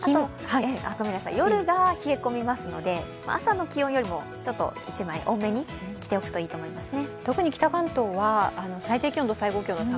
夜が冷え込みますので、朝の気温よりもちょっと１枚多めに着ておくといいと思いますね。